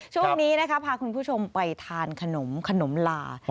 ช่วงนี้นะคะพาคุณผู้ชมไปทานขนมขนมลา